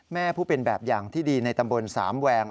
แม่ผู้เป็นแบบอย่างที่ดีในตำบลสามแวง